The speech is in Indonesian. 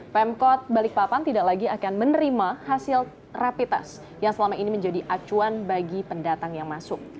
pemkot balikpapan tidak lagi akan menerima hasil rapid test yang selama ini menjadi acuan bagi pendatang yang masuk